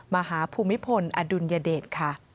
มหาภูมิพลอดุลยเดช